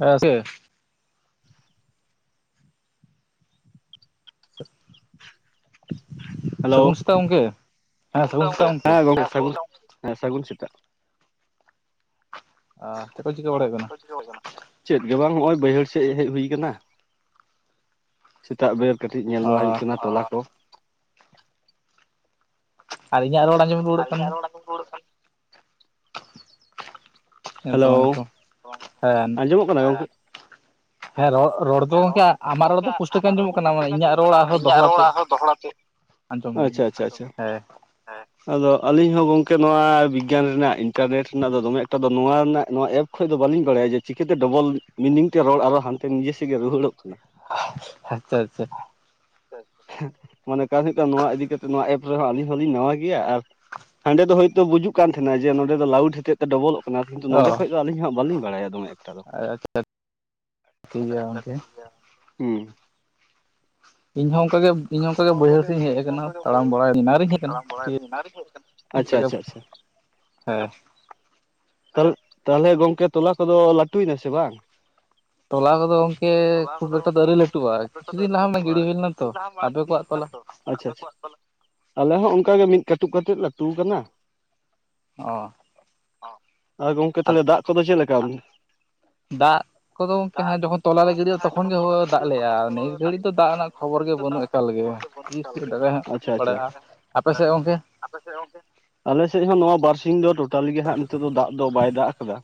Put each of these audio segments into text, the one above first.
ᱦᱮᱸ ᱥᱮ! ᱦᱮᱞᱳ ᱥᱟᱹᱜᱩᱱ ᱥᱮᱛᱟᱜ ᱜᱚᱝᱠᱮ᱾ ᱦᱮᱸ ᱥᱟᱹᱜᱩᱱ ᱥᱮᱛᱟᱜ [unintelligible] ᱦᱮᱸ ᱜᱚᱝᱠᱮ ᱥᱟᱹᱜᱩᱱ ᱦᱮᱸ ᱥᱟᱹᱜᱩᱱ ᱥᱤᱛᱟᱜ᱾ ᱟᱸ ᱪᱮᱫ ᱠᱚ ᱪᱤᱠᱟᱹ ᱵᱟᱲᱭ ᱦᱩᱭᱩᱜ ᱠᱟᱱᱟ? [unintelligible] ᱪᱮᱫ ᱜᱮ ᱵᱟᱝ ᱦᱚᱸᱜᱼᱚᱭ ᱵᱟᱹᱭᱦᱟᱹᱲ ᱥᱮᱫ ᱦᱮᱡ ᱦᱩᱭ ᱠᱟᱱᱟ᱾ ᱥᱮᱛᱟᱜ ᱵᱮᱨ ᱠᱟᱹᱴᱤᱡ ᱧᱮᱞ ᱚ ᱵᱟᱲᱟ ᱦᱩᱭᱩᱜ ᱠᱟᱱᱟ ᱛᱚᱞᱟ ᱠᱚ᱾ ᱟᱹᱞᱤᱧᱟᱜ ᱨᱚᱲ ᱟᱸᱡᱚᱢ ᱨᱩᱣᱟᱹᱲᱚᱜ ᱠᱟᱱ ᱫᱚ? [unintelligible] ᱦᱮᱸ ᱛᱚ ᱦᱮᱞᱳ, ᱵᱟᱝ ᱛᱚ ᱦᱮᱸ ᱟᱸᱡᱚᱢᱚᱜ ᱠᱟᱱᱟ ᱜᱚᱢᱠᱮ? ᱦᱮᱸ ᱨᱚᱲ ᱨᱚᱲ ᱫᱚ ᱜᱚᱝᱠᱮ ᱟᱢᱟᱜ ᱨᱚᱲ ᱫᱚ ᱯᱩᱥᱴᱟᱹ ᱜᱮ ᱟᱸᱡᱚᱢᱚᱜ ᱠᱟᱱᱟ ᱢᱟᱱᱮ ᱤᱧᱟᱹᱜ ᱨᱚᱲ ᱟᱨᱦᱚᱸ ᱫᱚᱦᱲᱟᱛᱮ᱾ ᱟᱸᱡᱚᱢ ᱫᱟᱹᱧ, ᱟᱪᱪᱷᱟ ᱟᱪᱪᱷᱟ ᱟᱪᱪᱷᱟ ᱦᱮᱸ ᱾ ᱟᱫᱚ ᱟᱹᱞᱤᱧ ᱦᱚᱸ ᱜᱚᱢᱠᱮ ᱱᱚᱣᱟ ᱵᱤᱜᱽᱜᱟᱱ ᱨᱮᱱᱟᱜ ᱤᱱᱴᱟᱨᱱᱮᱴ ᱨᱮᱱᱟᱜ ᱫᱚ ᱫᱚᱢᱮ ᱮᱠᱴᱟ ᱫᱚ ᱱᱚᱣᱟ ᱨᱮᱱᱟᱜ ᱱᱚᱣᱟ ᱮᱯ ᱠᱷᱚᱡ ᱫᱚ ᱵᱟᱹᱞᱤᱧ ᱵᱟᱲᱟᱭᱟ ᱡᱮ ᱪᱤᱠᱟᱹ ᱛᱮ ᱰᱚᱵᱚᱞ ᱢᱤᱱᱤᱝ ᱛᱮ ᱨᱚᱲ ᱟᱨᱚ ᱦᱟᱱᱛᱮ ᱱᱤᱡᱮ ᱥᱮᱫ ᱜᱮ ᱨᱩᱣᱟᱹᱲᱚᱜ ᱠᱟᱱᱟ᱾ ᱟᱪᱪᱷᱟ ᱟᱪᱪᱷᱟ᱾ ᱢᱟᱱᱮ [unintelligible] ᱦᱩᱭᱩᱜ ᱠᱟᱱᱟ ᱱᱚᱣᱟ ᱤᱫᱤ ᱠᱟᱛᱮᱜ ᱱᱚᱣᱟ ᱮᱯ ᱨᱮᱦᱚᱸ ᱟᱹᱞᱤᱧ ᱦᱚᱸᱞᱤᱧ ᱱᱟᱣᱟ ᱜᱮᱭᱟ ᱟᱨ ᱦᱟᱸᱰᱮ ᱫᱚ ᱦᱳᱭᱛᱚ ᱵᱩᱡᱩᱜ ᱠᱟᱱ ᱛᱟᱦᱮᱱᱟ ᱡᱮ ᱱᱚᱰᱮ ᱫᱚ ᱞᱟᱣᱩᱰ ᱦᱮᱛᱮ ᱥᱮ ᱰᱚᱵᱚᱞᱚᱜ ᱠᱟᱱᱟ ᱠᱤᱱᱛᱩ ᱚ ᱱᱚᱰᱮ ᱠᱷᱚᱡ ᱫᱚ ᱟᱞᱤᱧ ᱦᱟᱸᱟᱜ ᱵᱟᱞᱤᱧ ᱵᱟᱲᱟᱭᱟ ᱫᱚᱢᱮ ᱮᱠᱴᱟ ᱫᱚ᱾ [unintelligible] ᱴᱷᱤᱠ ᱜᱮᱭᱟ ᱜᱚᱝᱠᱮ [unintelligible] ᱦᱩᱸ ᱾ ᱤᱧ ᱦᱚᱸ ᱚᱝᱠᱟᱜᱮ, ᱤᱧ ᱦᱚᱸ ᱚᱱᱠᱟ ᱜᱮ ᱵᱟᱹᱭᱦᱟᱹᱲ ᱥᱮᱫ ᱤᱧ ᱦᱮᱡ ᱟᱠᱟᱱᱟ᱾ ᱛᱟᱲᱟᱢ ᱵᱟᱲᱟᱭ ᱮᱱᱟᱝ ᱨᱤᱧ ᱦᱮᱡ ᱟᱠᱟᱱᱟ ᱟᱪᱪᱷᱟ ᱟᱪᱪᱷᱟ [unintelligible] ᱟᱪᱪᱷᱟ ᱦᱮᱸ᱾ ᱛᱟᱞ-ᱛᱟᱦᱚᱞᱮ ᱜᱚᱝᱠᱮ ᱛᱚᱞᱟ ᱠᱚᱫᱚ ᱞᱟᱹᱴᱩᱭᱱᱟ ᱥᱮ ᱵᱟᱝ? ᱛᱚᱞᱟ ᱠᱚᱫᱚ ᱜᱚᱝᱠᱮ ᱠᱷᱩᱵ ᱮᱠᱴᱟ ᱫᱚ ᱟᱹᱣᱨᱤ ᱞᱟᱹᱴᱩᱜ-ᱟ ᱠᱤᱪᱷᱩ ᱫᱤᱱ ᱞᱟᱦᱟ ᱢᱟ ᱜᱤᱲᱤ ᱦᱩᱭ ᱞᱮᱱᱟ ᱛᱚ, ᱟᱯᱮ ᱠᱚᱣᱟᱜ ᱛᱚᱞᱟ ᱟᱪᱪᱷᱟ ᱟᱪᱪᱷᱟ, ᱟᱞᱮ ᱦᱚᱸ ᱚᱱᱠᱟ ᱜᱮ ᱢᱤᱫ ᱠᱟᱹᱴᱩᱵ ᱠᱟᱛᱮᱫ ᱞᱟᱹᱴᱩ ᱟᱠᱟᱱᱟ ᱾ ᱚ᱾ ᱟ ᱜᱚᱝᱠᱮ ᱟᱨ ᱛᱟᱦᱚᱞᱮ ᱫᱟᱜ ᱠᱚᱫᱚ ᱪᱮᱫ ᱞᱮᱠᱟ? [inaudible] ᱫᱟᱜ ᱠᱚᱫᱚ ᱜᱚᱝᱠᱮ ᱦᱟᱱᱮ ᱡᱚᱠᱷᱚᱱ ᱛᱚᱞᱟ ᱞᱮ ᱜᱤᱲᱤ ᱞᱟᱜᱼᱟ ᱛᱚᱠᱷᱚᱱ ᱜᱮ ᱦᱳ ᱫᱟᱜ ᱞᱮᱜᱼᱟ, ᱱᱤᱛ ᱜᱷᱟᱹᱲᱤᱡ ᱫᱚ ᱫᱟᱜ ᱨᱮᱱᱟᱜ ᱠᱷᱚᱵᱚᱨ ᱜᱮ ᱵᱟᱹᱱᱩᱜ ᱮᱠᱟᱞ ᱜᱮ ᱾ [inaudible] ᱟᱯᱮ ᱥᱮᱫ ᱜᱚᱝᱠᱮ? ᱟᱯᱮᱥᱮᱫ ᱜᱚᱢᱠᱮ? ᱟᱞᱮ ᱥᱮᱫ ᱦᱚᱸ ᱱᱚᱣᱟ ᱵᱟᱨᱥᱤᱧ ᱫᱚ ᱴᱳᱴᱟᱞᱤ ᱜᱮ ᱦᱟᱸᱜ ᱱᱤᱛᱚᱜ ᱫᱚ ᱫᱟᱜ ᱫᱚ ᱵᱟᱭ ᱫᱟᱜ ᱟᱠᱟᱫᱟ᱾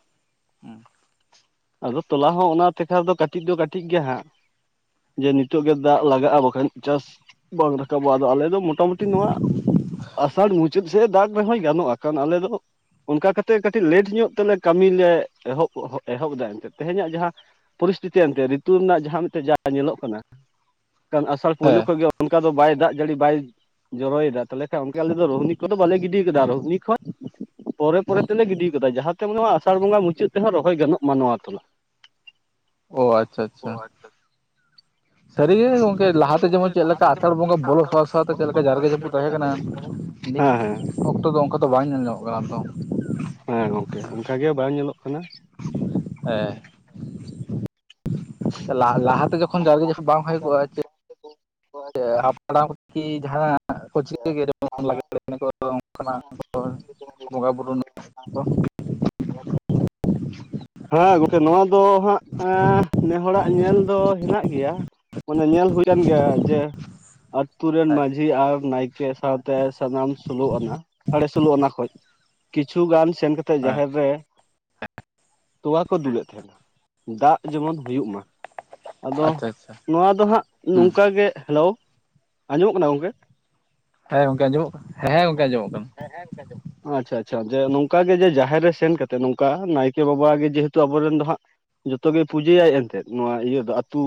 ᱟᱫᱚ ᱛᱚᱞᱟ ᱦᱚᱸ ᱚᱱᱟ ᱛᱮᱠᱷᱟ ᱫᱚ ᱠᱟᱹᱴᱤᱡ ᱫᱚ ᱠᱟᱹᱴᱤᱡ ᱜᱮ ᱦᱟᱸᱜ ᱾ ᱡᱮ ᱱᱤᱛᱚᱜ ᱜᱮ ᱫᱟᱜ ᱞᱟᱜᱟᱜ-ᱟ ᱵᱟᱠᱷᱟᱱ ᱪᱟᱥ ᱵᱟᱝ ᱨᱟᱠᱟᱵᱚᱜᱼᱟ ᱟᱫᱚ ᱟᱞᱮ ᱫᱚ ᱢᱚᱴᱟᱢᱩᱴᱤ ᱱᱚᱣᱟ ᱟᱥᱟᱲ ᱢᱩᱪ ᱪᱮᱫ ᱥᱮ ᱫᱟᱜ ᱨᱮᱦᱚᱸᱭ ᱜᱟᱱᱚᱜ-ᱟ ᱟᱞᱮ ᱫᱚ ᱚᱱᱠᱟ ᱠᱟᱛᱮᱜ ᱠᱟᱹᱴᱤᱡ ᱞᱮᱴ ᱧᱚᱜ ᱛᱮᱞᱮ ᱠᱟᱹᱢᱤ ᱞᱮ ᱮᱦᱚᱵ ᱮᱦᱚᱵ ᱮᱫᱟ ᱮᱱᱛᱮᱫ ᱛᱮᱦᱮᱧᱟᱜ ᱡᱟᱦᱟᱸ ᱯᱚᱨᱤᱥᱛᱷᱤᱛᱤ ᱮᱱᱛᱮᱫ ᱨᱤᱛᱩ ᱨᱮᱱᱟᱜ ᱡᱟᱦᱟᱸ ᱢᱤᱫᱴᱮᱱ ᱡᱟ ᱧᱮᱞᱚᱜ ᱠᱟᱱᱟ ᱠᱷᱟᱱ ᱟᱥᱟᱲ ᱯᱳᱭᱞᱳ ᱦᱮᱸ ᱠᱷᱚᱱ ᱜᱮ ᱚᱱᱠᱟ ᱫᱚ ᱵᱟᱭ ᱫᱟᱜ ᱡᱟᱹᱲᱤ ᱵᱟᱭ ᱡᱚᱨᱚᱭᱮᱫᱟ ᱛᱟᱦᱚᱞᱮ ᱠᱷᱟᱱ ᱚᱱᱠᱟ ᱟᱞᱮ ᱫᱚ ᱨᱳᱦᱱᱤ ᱠᱚᱫᱚ ᱵᱟᱞᱮ ᱜᱤᱰᱤ ᱠᱟᱫᱟ ᱨᱩᱦᱱᱤ ᱠᱷᱚᱡ ᱯᱚᱨᱮ ᱯᱚᱨᱮ ᱛᱮᱞᱮ ᱜᱤᱰᱤ ᱠᱟᱫᱟ ᱡᱟᱦᱟᱸᱛᱮ ᱟᱥᱟᱲ ᱵᱚᱸᱜᱟ ᱢᱩᱪᱟᱹᱫ ᱛᱮᱦᱚᱸ ᱨᱚᱦᱚᱭ ᱜᱟᱱᱚᱜ ᱢᱟ ᱱᱚᱣᱟ ᱛᱚᱞᱟ ᱳ ᱟᱪᱪᱷᱟ ᱟᱪᱪᱷᱟ ᱥᱟᱹᱨᱤᱜᱮ ᱜᱚᱝᱠᱮ ᱞᱟᱦᱟᱛᱮ ᱡᱮᱢᱚᱱ ᱪᱮᱫ ᱞᱮᱠᱟ ᱟᱥᱟᱲ ᱵᱚᱸᱜᱟ ᱵᱚᱞᱚ ᱥᱟᱶ ᱥᱟᱶᱛᱮ ᱪᱮᱫ ᱞᱮᱠᱟ ᱡᱟᱨᱜᱮ ᱡᱟᱹᱯᱩ ᱛᱟᱦᱮᱸ ᱠᱟᱱᱟ᱾ ᱱᱤᱠ ᱦᱮᱸ ᱦᱮᱸ ᱚᱠᱛᱚ ᱫᱚ ᱚᱝᱠᱟ ᱫᱚ ᱵᱟᱝ ᱧᱮᱞ ᱧᱟᱢᱚᱜ ᱠᱟᱱᱟ ᱛᱚ ᱾ ᱦᱮᱸ ᱜᱚᱝᱠᱮ ᱚᱱᱠᱟ ᱜᱮ ᱵᱟᱝ ᱧᱮᱞᱚᱜ ᱠᱟᱱᱟ᱾ ᱦᱮᱸ ᱞᱟ ᱞᱟᱦᱟᱛᱮ ᱡᱚᱠᱷᱚᱱ ᱡᱟᱨᱜᱮ ᱡᱟᱯᱩᱫ ᱵᱟᱝ ᱦᱩᱭ ᱠᱚᱣᱟ ᱡᱮ ᱦᱟᱯᱲᱟᱢ ᱠᱤ ᱡᱟᱦᱱᱟᱜ ᱠᱚ ᱪᱤᱠᱟᱹ ᱜᱮᱵᱚᱱ ᱞᱟᱜ [inaudible] ᱠᱟᱱᱟ ᱵᱚᱸᱜᱟ ᱵᱳᱨᱩ ᱨᱮᱱᱟᱜ [unintelligible] ᱦᱮᱸ ᱜᱚᱝᱠᱮ ᱱᱚᱣᱟ ᱫᱚ ᱦᱟᱸᱜ ᱱᱮ ᱦᱚᱲ-ᱲᱟᱜ ᱧᱮᱞ ᱫᱚ ᱦᱮᱱᱟᱜ ᱜᱮᱭᱟ᱾ ᱧᱮ ᱧᱮᱞ ᱦᱩᱭᱮᱱ ᱜᱮᱭᱟ ᱡᱮ ᱟᱛᱩ ᱨᱮᱱ ᱦᱮᱸ ᱢᱟᱺᱡᱷᱤ ᱟᱨ ᱱᱟᱭᱠᱮ ᱥᱟᱶᱛᱮ ᱥᱟᱱᱟᱢ ᱥᱳᱞᱳ ᱟᱱᱟ ᱥᱟᱲᱮ ᱥᱩᱞᱚᱜ ᱚᱱᱟ ᱠᱷᱚᱡ ᱠᱤᱪᱷᱩ ᱜᱟᱱ ᱥᱮᱱ ᱠᱟᱛᱮᱫ ᱦᱮᱸ ᱡᱟᱦᱮᱨ ᱨᱮ ᱛᱚᱣᱟ ᱠᱚ ᱫᱩᱞᱟᱹᱜ ᱛᱟᱦᱮᱱᱟ ᱫᱟᱜ ᱡᱮᱢᱚᱱ ᱦᱩᱭᱩᱜ ᱢᱟ ᱟᱫᱚ ᱟᱪᱪᱷᱟ ᱟᱪᱪᱷᱟ ᱱᱚᱣᱟ ᱫᱚ ᱦᱟᱸᱜ ᱦᱩᱸ ᱱᱚᱝᱠᱟ ᱜᱮ ᱦᱮᱞᱳ ᱟᱸᱡᱚᱢᱚᱜ ᱠᱟᱱᱟ ᱜᱚᱝᱠᱮ ᱦᱮᱸ ᱜᱚᱝᱠᱮ ᱟᱸᱡᱚᱢᱚᱜ ᱠᱟᱱᱟ ᱦᱮᱸ ᱜᱚᱝᱠᱮ ᱟᱸᱡᱚᱢᱚᱜ ᱠᱟᱱᱟ᱾ ᱦᱮᱸᱦᱮᱸ ᱟᱪᱪᱷᱟ ᱟᱪᱪᱷᱟ ᱡᱮ ᱱᱚᱝᱠᱟ ᱜᱮ ᱡᱮ ᱡᱟᱦᱮᱨ ᱨᱮ ᱥᱮᱱ ᱠᱟᱛᱮ ᱱᱚᱝᱠᱟ ᱱᱟᱭᱠᱮ ᱵᱟᱵᱟ ᱵᱟ ᱜᱮ ᱡᱮᱦᱮᱛᱩ ᱟᱵᱚᱨᱮᱱ ᱫᱚ ᱦᱟᱸᱜ ᱡᱚᱛᱚᱜᱮ ᱯᱩᱡᱟᱹᱭᱟᱭ ᱮᱱᱛᱮᱫ ᱱᱚᱣᱟ ᱤᱭᱟᱹ ᱫᱚ ᱟᱹᱛᱩ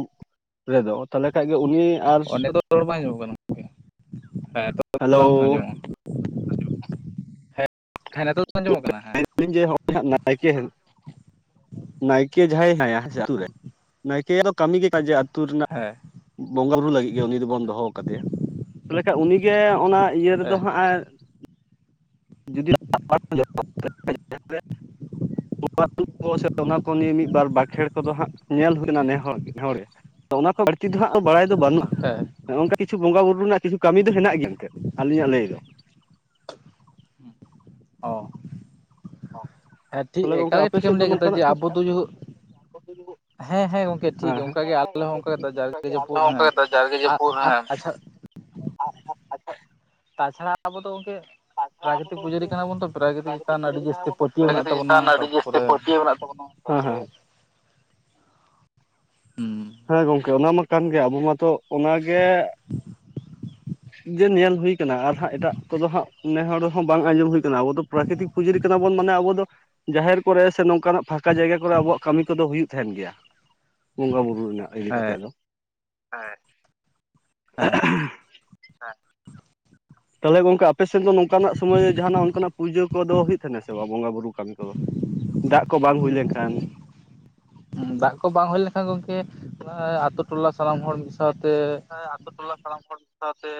ᱨᱮᱫᱚ ᱛᱟᱦᱚᱞᱮ ᱠᱷᱟᱱᱡ ᱜᱮ ᱩᱱᱤ ᱟᱨ ᱱᱤᱛᱚᱜ ᱨᱚᱲ ᱵᱟᱭ ᱟᱡᱚᱢᱚᱜ ᱠᱟᱱᱟ ᱦᱮᱸ ᱱᱤᱛᱚᱜ ᱠᱳᱡᱛᱟᱞᱟᱝ ᱦᱮᱞᱳ ᱟᱸᱡᱚᱢᱚᱜ [inaudible] [inaudible] ᱦᱮᱸ ᱦᱮᱸ ᱱᱤᱛᱚᱜ ᱫᱚ ᱟᱸᱡᱚᱢᱚᱜ ᱠᱟᱱᱟ ᱟᱵᱤᱱ ᱡᱮ ᱦᱟᱸᱜ ᱱᱟᱭᱠᱮ [inaudible] ᱱᱟᱭᱠᱮ ᱡᱟᱦᱟᱸᱭ ᱦᱮᱱᱟᱭᱟ ᱟᱞᱮᱨᱮᱱ ᱱᱟᱭᱠᱮ ᱠᱟᱹᱢᱤ ᱜᱮ ᱟᱛᱳ ᱨᱮᱱᱟᱜ ᱦᱮᱸ ᱵᱚᱸᱜᱟ ᱵᱩᱨᱩ ᱞᱟᱹᱜᱤᱫ ᱜᱮ ᱩᱱᱤ ᱫᱚᱵᱚᱱ ᱫᱚᱦᱚ ᱠᱟᱫᱮᱭᱟ ᱛᱟᱦᱚᱞᱮ ᱠᱷᱟᱱ ᱩᱱᱤᱜᱮ ᱚᱱᱟ ᱤᱭᱟᱹ ᱨᱮᱫᱚ ᱦᱮᱸ ᱦᱟᱸᱜ ᱡᱩᱫᱤ [unintelligible] [inaudible] ᱵᱳᱝᱜᱟ ᱛᱩᱛ ᱠᱚ ᱥᱮ ᱚᱱᱟ ᱠᱚ ᱱᱤᱭᱮ ᱢᱤᱫ ᱵᱟᱨ ᱵᱟᱸᱠᱷᱮᱲ ᱠᱚᱫᱚ ᱦᱟᱸᱜ ᱧᱮᱞ ᱦᱩᱭᱱᱟ ᱱᱮ ᱱᱮᱦᱚᱲ ᱛᱚ ᱚᱱᱟ ᱠᱚ ᱵᱟᱹᱲᱛᱤ ᱫᱚ ᱦᱟᱸᱜ ᱫᱚ ᱵᱟᱲᱟᱭ ᱫᱚ ᱦᱮᱸ ᱵᱟᱹᱱᱩᱜ-ᱟᱜ ᱱᱚᱝᱠᱟ ᱠᱤᱪᱷᱩ ᱵᱚᱸᱜᱟ ᱵᱩᱨᱩ ᱨᱮᱱᱟᱜ ᱠᱤᱪᱷᱩ ᱠᱟᱹᱢᱤ ᱫᱚ ᱦᱮᱱᱟᱜ ᱜᱮᱭᱟ ᱮᱱᱛᱮᱫ ᱟᱹᱞᱤᱧᱟᱜ ᱞᱟᱹᱭ ᱫᱚ ᱚ ᱦᱮᱸ ᱴᱷᱤᱠ ᱛᱟᱦᱚᱞᱮ ᱜᱚᱝᱠᱟ ᱮᱠᱟᱞ ᱜᱮ ᱟᱯᱮ ᱥᱮᱫ ᱴᱷᱤᱠᱮᱢ ᱫᱚ ᱞᱟᱹᱭ ᱠᱮᱫᱟ ᱡᱮ ᱱᱚᱝᱠᱟᱱᱟᱜ [unintelligible] ᱟᱵᱚ ᱫᱚ ᱦᱮᱸ ᱦᱮᱸ ᱜᱚᱝᱠᱮ ᱴᱷᱤᱠ ᱦᱮᱸ ᱦᱮᱸ ᱚᱱᱠᱟᱜᱮ ᱟᱞᱮ ᱦᱚᱸ ᱜᱚᱝᱠᱮ ᱚᱱᱠᱟ ᱴᱷᱤᱠᱭᱟ ᱡᱟᱨᱜᱮ ᱚᱱᱠᱟᱜᱮ ᱟᱞᱮ ᱡᱟᱹᱯᱩᱫ ᱦᱚᱸ ᱦᱮᱸ ᱚᱱᱠᱟ ᱡᱟᱨᱜᱮ ᱡᱟᱯᱩᱨ ᱟᱨ ᱦᱮᱸ ᱟᱪ ᱟᱪᱪᱷᱟ [inaudible] ᱛᱟᱪᱷᱟᱲᱟ ᱟᱵᱚ ᱫᱚ ᱜᱚᱝᱠᱮ ᱯᱨᱟᱠᱨᱤᱛᱤᱠ ᱯᱩᱡᱟᱹᱨᱤ ᱠᱟᱱᱟ ᱵᱚᱱ ᱛᱚ ᱯᱨᱟᱠᱨᱤᱛᱤᱠ ᱪᱮᱛᱟᱱ ᱟᱹᱰᱤ ᱡᱟᱹᱥᱛᱤ ᱯᱟᱹᱛᱤᱭᱟᱹᱣ ᱢᱮᱱᱟᱜ ᱛᱟᱵᱚᱱᱟ ᱛᱟᱨᱯᱚᱨᱮ ᱦᱮᱸ ᱦᱮᱸ ᱦᱩᱸ ᱦᱮᱸ ᱜᱚᱝᱠᱮ ᱚᱱᱟ ᱢᱟ ᱠᱟᱱ ᱜᱮᱭᱟ ᱟᱵᱚ ᱢᱟᱛᱚ ᱚᱱᱟᱜᱮ ᱡᱮ ᱧᱮᱞ ᱦᱩᱭᱠᱟᱱᱟ ᱟᱨ ᱦᱟᱸᱜ ᱮᱴᱟᱜ ᱠᱚᱫᱚ ᱦᱟᱸᱜ ᱱᱮ ᱦᱚᱲ ᱦᱚᱸ ᱵᱟᱝ ᱟᱸᱡᱚᱢ ᱦᱩᱭ ᱟᱠᱟᱱᱟ ᱟᱵᱚ ᱫᱚ ᱯᱨᱟᱠᱨᱤᱛᱤᱠ ᱯᱩᱡᱟᱹᱨᱤ ᱠᱟᱱᱟ ᱵᱚᱱ ᱢᱟᱱᱮ ᱟᱵᱚ ᱫᱚ ᱡᱟᱦᱮᱨ ᱠᱚᱨᱮ ᱥᱮ ᱱᱚᱝᱠᱟᱱᱟᱜ ᱯᱷᱟᱠᱟ ᱡᱟᱭᱜᱟ ᱠᱚᱨᱮ ᱟᱵᱚᱣᱟᱜ ᱠᱟᱹᱢᱤ ᱠᱚᱫᱚ ᱦᱩᱭᱩᱜ ᱛᱟᱦᱮᱱ ᱜᱮᱭᱟ ᱵᱚᱸᱜᱟ ᱵᱩᱨᱩ ᱵᱩᱨᱩ ᱨᱮᱱᱟᱜ ᱤᱫᱤ ᱠᱟᱛᱮ ᱦᱮᱸ ᱫᱚ᱾ ᱦᱮᱸ ᱦᱮᱸ [inaudible] ᱛᱟᱦᱚᱞᱮ ᱜᱚᱝᱠᱮ ᱟᱯᱮᱥᱮᱫ ᱫᱚ ᱱᱚᱝᱠᱟᱱᱟᱜ ᱥᱚᱢᱚᱭ ᱡᱟᱦᱟᱱᱟᱜ ᱚᱱᱠᱟᱱᱟᱜ ᱯᱩᱡᱟᱹ ᱠᱚᱫᱚ ᱦᱩᱭᱩᱜ ᱛᱟᱦᱮ ᱥᱮ ᱵᱟᱝ ᱵᱚᱸᱜᱟ ᱵᱩᱨᱩ ᱠᱟᱹᱢᱤ ᱠᱚᱫᱚ ᱫᱟᱜ ᱠᱚ ᱵᱟᱝ ᱦᱩᱭ ᱞᱮᱱᱠᱷᱟᱱ ᱫᱟᱜ ᱠᱚ ᱵᱟᱝ ᱦᱩᱭ ᱞᱮᱠᱷᱟᱱ ᱜᱚᱝᱠᱮ ᱟᱛᱳ ᱴᱚᱞᱟ ᱥᱟᱱᱟᱢ ᱦᱚᱲ ᱢᱤᱫ ᱥᱟᱶᱛᱮ ᱟᱛᱩ ᱴᱚᱞᱟ‌ ᱥᱟᱱᱟᱢ ᱦᱚᱲ ᱥᱟᱶᱛᱮ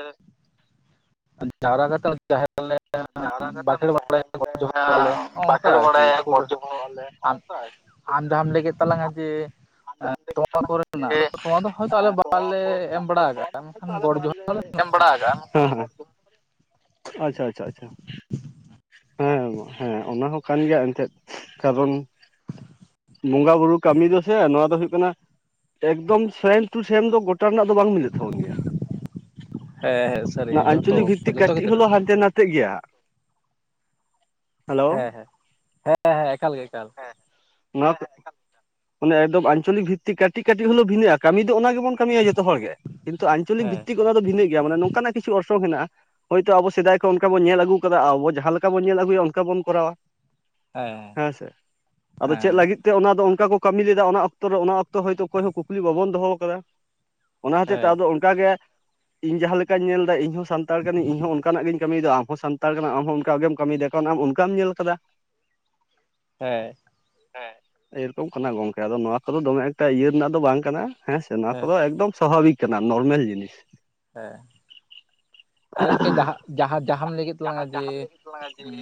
ᱡᱟᱣᱨᱟ ᱠᱟᱛᱮᱫ ᱡᱟᱦᱮᱨ ᱞᱮ ᱵᱟᱸᱠᱷᱮᱲ ᱵᱟᱲᱮ ᱡᱚᱦᱟᱨ ᱵᱟᱞᱮ ᱱᱚ ᱱᱚᱝᱠᱟ ᱟᱨᱠᱤ ᱠᱷᱩᱵ ᱟᱢ ᱡᱟᱦᱟᱸᱢ ᱞᱟᱹᱭ ᱠᱮᱫ ᱛᱟᱞᱟᱝᱟ ᱡᱮ ᱛᱳᱣᱟ ᱠᱚᱨᱮᱱᱟᱜ ᱟᱫᱚ ᱛᱳᱣᱟ ᱫᱚ ᱦᱚᱭᱛᱳ ᱟᱞᱮ ᱵᱟᱞᱮ ᱮᱢ ᱵᱟᱲᱟ ᱠᱟᱜᱼᱟ ᱵᱟᱞᱮ ᱮᱢ ᱵᱟᱲᱟ ᱟᱠᱟᱫᱼ ᱟ ᱦᱩᱸ ᱦᱩᱸ ᱟᱪᱪᱷᱟ ᱟᱪᱪᱷᱟ ᱟᱪᱪᱷᱟ ᱦᱮᱸ ᱦᱮᱸ ᱚᱱᱟ ᱦᱚᱸ ᱠᱟᱱ ᱜᱮᱭᱟ ᱮᱱᱛᱮᱫ ᱠᱟᱨᱚᱱ ᱵᱚᱸᱜᱟ ᱵᱩᱨᱩ ᱠᱟᱹᱢᱤ ᱨᱮ ᱥᱮ ᱱᱚᱣᱟ ᱫᱚ ᱦᱳᱭᱳᱜ ᱠᱟᱱᱟ ᱮᱠᱫᱚᱢ ᱥᱮᱢ ᱴᱩ ᱥᱮᱢ ᱫᱚ ᱜᱚᱴ ᱜᱚᱴᱟ ᱨᱮᱱᱟ ᱫᱚ ᱵᱟᱝ ᱢᱤᱞ ᱛᱟᱵᱚᱱ ᱜᱮᱭᱟ ᱦᱮᱸ ᱦᱮᱸ ᱥᱟᱹᱨᱤ ᱱᱚᱣᱟ ᱡᱷᱚᱛᱚ ᱟᱧᱪᱚᱞᱤᱠ ᱵᱷᱤᱛᱤᱠ ᱡᱷᱚᱛᱚ ᱠᱟᱹᱴᱤᱡ ᱠᱷᱮᱛᱨᱮ ᱦᱚᱞᱳ ᱨᱮ ᱦᱟᱱᱛᱮ ᱱᱟᱛᱮ ᱱᱟᱛᱮᱜ ᱜᱮᱭᱟ ᱦᱮᱞᱳ ᱦᱮᱸ ᱦᱮᱸ ᱦᱮᱸ ᱦᱮᱸ ᱮᱠᱟᱞ ᱜᱮ ᱮᱠᱟᱞ ᱦᱮᱸ ᱱᱚᱣᱟ ᱠᱚ ᱢᱟᱱᱮ ᱮᱠᱫᱚᱢ ᱟᱧᱪᱚᱞᱤᱠ ᱵᱷᱤᱛᱤᱠ ᱠᱟᱹᱴᱤᱡ ᱠᱟᱹᱴᱤᱡ ᱦᱚᱞᱳᱜ ᱵᱷᱤᱱᱟᱹᱜ ᱠᱟᱹᱢᱤ ᱫᱚ ᱚᱱᱟ ᱜᱮᱵᱚᱱ ᱠᱟᱹᱢᱤᱭᱟ ᱡᱚᱛᱚ ᱦᱚᱲ ᱜᱮ ᱠᱤᱱᱛᱩ ᱟᱧᱪᱚᱞᱤᱠ ᱦᱮᱸ ᱦᱮᱸ ᱵᱤᱛᱤᱠ ᱚᱱᱟ ᱵᱷᱤᱹᱱᱟᱜ ᱜᱮᱭᱟ ᱱᱚᱝᱠᱟᱱᱟᱜ ᱠᱤᱪᱷᱩ ᱚᱨᱚᱝ ᱦᱮᱱᱟᱜᱼᱟ ᱦᱳᱭᱛᱳ ᱟᱵᱚ ᱥᱮᱫᱟᱭ ᱠᱷᱚᱱ ᱚᱱᱠᱟ ᱵᱚᱱ ᱧᱮᱞ ᱟᱹᱜᱩ ᱠᱟᱫᱟ ᱟᱵᱚ ᱡᱟᱦᱟᱸ ᱞᱮᱠᱟ ᱵᱚᱱ ᱧᱮᱞ ᱟᱹᱜᱩᱭᱟ ᱚᱱᱠᱟ ᱵᱚᱱ ᱠᱚᱨᱟᱣᱟ ᱦᱮᱸ ᱥᱮ ᱟᱫᱚ ᱪᱮᱫ ᱞᱟᱹᱜᱤᱫ ᱛᱮ ᱚᱱᱟ ᱫᱚ ᱚᱱᱠᱟ ᱠᱚ ᱠᱟᱹᱢᱤ ᱞᱮᱫᱟ ᱚᱱᱟ ᱚᱠᱛᱚ ᱨᱮ ᱚᱱᱟ ᱚᱠᱛᱚ ᱦᱚᱭᱛᱳ ᱚᱠᱚᱭ ᱦᱚᱸ ᱠᱩᱠᱞᱤ ᱵᱟᱵᱚᱱ ᱫᱚᱦᱚ ᱟᱠᱟᱫᱟ ᱚᱱᱟ ᱦᱚᱛᱮᱡ ᱛᱮ ᱟᱫᱚ ᱚᱱᱠᱟᱜᱮ ᱤᱧ ᱡᱟᱦᱟᱸ ᱞᱮᱠᱟᱧ ᱧᱮᱞ ᱮᱫᱟ ᱤᱧ ᱦᱚᱸ ᱥᱟᱱᱛᱟᱲ ᱠᱟᱱᱟᱹᱧ ᱤᱧ ᱦᱚᱸ ᱚᱱᱟᱜᱤᱧ ᱠᱟᱹᱢᱤᱭ ᱮᱫᱟ ᱟᱢ ᱦᱚᱸ ᱥᱟᱱᱛᱟᱲ ᱠᱟᱱᱟᱢ ᱟᱢ ᱦᱚᱸ ᱚᱱᱠᱟ ᱜᱮᱢ ᱠᱟᱹᱢᱤᱭ ᱮᱫᱟ ᱠᱟᱨᱚᱱ ᱟᱢ ᱚᱱᱠᱟ ᱜᱮᱢ ᱧᱮᱞ ᱟᱠᱟᱫᱟ ᱦᱮᱸ ᱦᱮᱸ ᱮᱭᱨᱚᱠᱚᱢ ᱠᱟᱱᱟ ᱜᱚᱝᱠᱮ ᱟᱫᱚ ᱱᱚᱣᱟ ᱠᱚᱫᱚ ᱫᱚᱢᱮ ᱮᱠᱴᱟ ᱤᱭᱟᱹ ᱨᱮᱱᱟᱜ ᱫᱚ ᱵᱟᱝ ᱠᱟᱱᱟ ᱦᱮᱸ ᱥᱮ ᱱᱚᱣᱟ ᱠᱚᱫᱚ ᱮᱠᱫᱚᱢ ᱥᱟᱵᱷᱟᱵᱤᱠ ᱠᱟᱱᱟ ᱱᱚᱨᱢᱮᱞ ᱡᱤᱱᱤᱥ ᱦᱮᱸ ᱟᱫᱚ ᱜᱚᱢᱠᱮ ᱡᱟᱦᱟᱸ ᱡᱟᱦᱟᱸ ᱡᱟᱦᱟᱸᱟᱢ ᱞᱟᱹᱭ ᱠᱮᱫ ᱛᱟᱞᱟᱝᱟ ᱡᱮ ᱦᱩᱸ